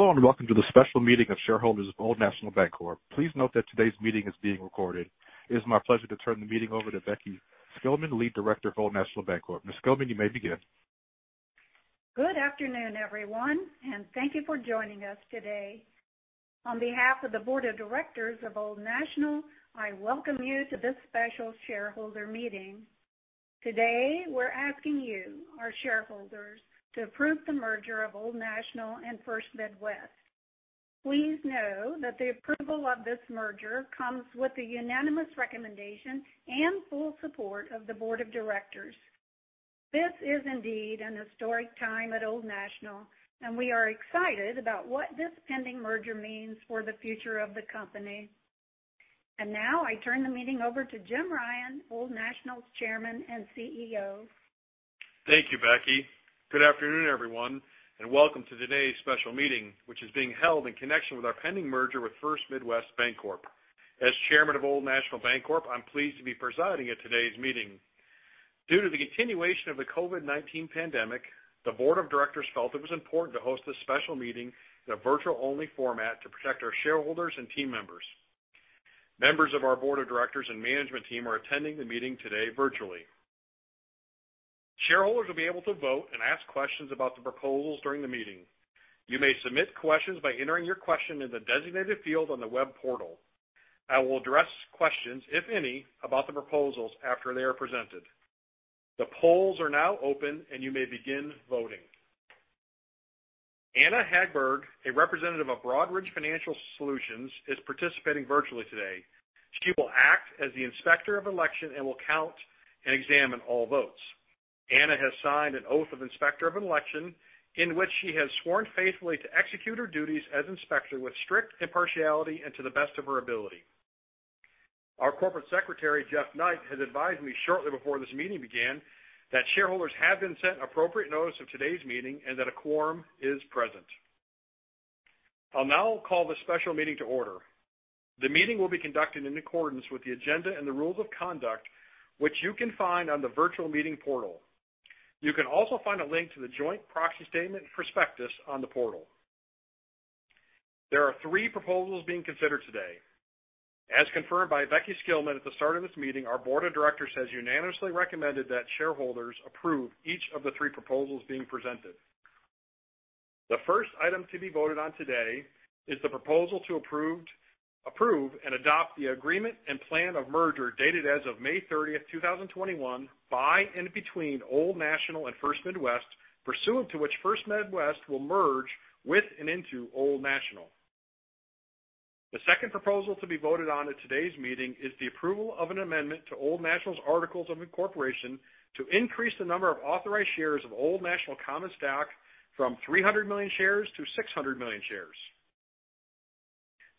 Hello, and welcome to the special meeting of shareholders of Old National Bancorp. Please note that today's meeting is being recorded. It is my pleasure to turn the meeting over to Becky Skillman, Lead Director of Old National Bancorp. Ms. Skillman, you may begin. Good afternoon, everyone, and thank you for joining us today. On behalf of the Board of Directors of Old National, I welcome you to this special shareholder meeting. Today, we're asking you, our shareholders, to approve the merger of Old National and First Midwest. Please know that the approval of this merger comes with the unanimous recommendation and full support of the board of directors. This is indeed an historic time at Old National, and we are excited about what this pending merger means for the future of the company. Now I turn the meeting over to Jim Ryan, Old National's Chairman and CEO. Thank you, Becky. Welcome to today's special meeting, which is being held in connection with our pending merger with First Midwest Bancorp. As Chairman of Old National Bancorp, I'm pleased to be presiding at today's meeting. Due to the continuation of the COVID-19 pandemic, the board of directors felt it was important to host this special meeting in a virtual-only format to protect our shareholders and team members. Members of our board of directors and management team are attending the meeting today virtually. Shareholders will be able to vote and ask questions about the proposals during the meeting. You may submit questions by entering your question in the designated field on the web portal. I will address questions, if any, about the proposals after they are presented. The polls are now open. You may begin voting. Anna Hagberg, a representative of Broadridge Financial Solutions, is participating virtually today. She will act as the Inspector of Election and will count and examine all votes. Anna has signed an oath of Inspector of Election, in which she has sworn faithfully to execute her duties as inspector with strict impartiality and to the best of her ability. Our Corporate Secretary, Jeff Knight, has advised me shortly before this meeting began that shareholders have been sent appropriate notice of today's meeting and that a quorum is present. I'll now call this special meeting to order. The meeting will be conducted in accordance with the agenda and the rules of conduct, which you can find on the virtual meeting portal. You can also find a link to the Joint Proxy Statement and Prospectus on the portal. There are three proposals being considered today. As confirmed by Becky Skillman at the start of this meeting, our board of directors has unanimously recommended that shareholders approve each of the three proposals being presented. The first item to be voted on today is the proposal to approve and adopt the agreement and plan of merger dated as of May 30th, 2021, by and between Old National and First Midwest, pursuant to which First Midwest will merge with and into Old National. The second proposal to be voted on at today's meeting is the approval of an amendment to Old National's Articles of Incorporation to increase the number of authorized shares of Old National common stock from 300 million shares to 600 million shares.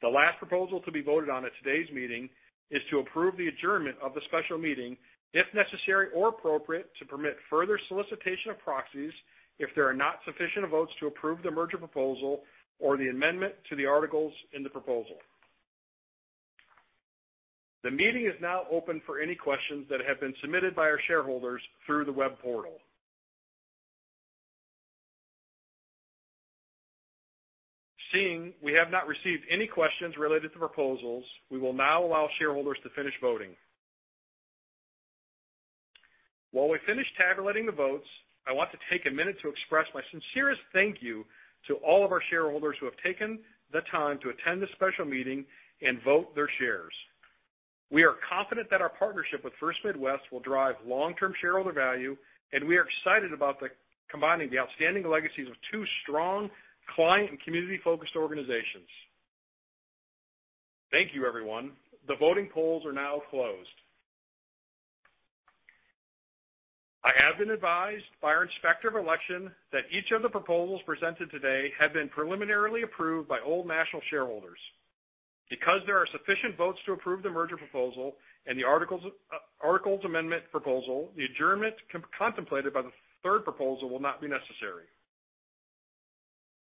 The last proposal to be voted on at today's meeting is to approve the adjournment of the special meeting, if necessary or appropriate, to permit further solicitation of proxies if there are not sufficient votes to approve the merger proposal or the amendment to the articles in the proposal. The meeting is now open for any questions that have been submitted by our shareholders through the web portal. Seeing we have not received any questions related to proposals, we will now allow shareholders to finish voting. While we finish tabulating the votes, I want to take a minute to express my sincerest thank you to all of our shareholders who have taken the time to attend this special meeting and vote their shares. We are confident that our partnership with First Midwest will drive long-term shareholder value, and we are excited about combining the outstanding legacies of two strong client and community-focused organizations. Thank you, everyone. The voting polls are now closed. I have been advised by our Inspector of Election that each of the proposals presented today have been preliminarily approved by Old National shareholders. There are sufficient votes to approve the merger proposal and the articles amendment proposal, the adjournment contemplated by the third proposal will not be necessary.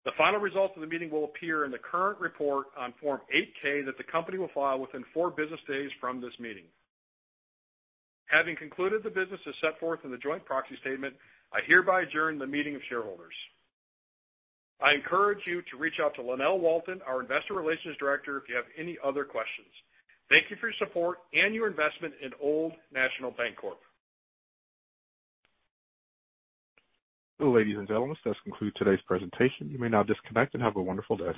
The final results of the meeting will appear in the current report on Form 8-K that the company will file within four business days from this meeting. Having concluded the business as set forth in the joint proxy statement, I hereby adjourn the meeting of shareholders. I encourage you to reach out to Lynell Walton, our Investor Relations Director, if you have any other questions. Thank you for your support and your investment in Old National Bancorp. Ladies and gentlemen, this does conclude today's presentation. You may now disconnect and have a wonderful day.